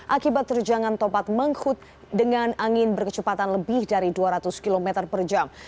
akibat terjangan tobat menghut dengan angin berkecepatan lebih dari dua ratus km per jam